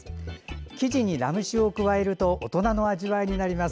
生地にラム酒を加えると大人の味わいになります。